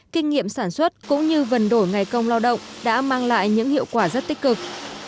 kinh nghiệm sản xuất cũng như vần đổi ngày công lao động đã mang lại những hiệu quả rất tích cực